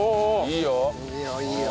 いいよ！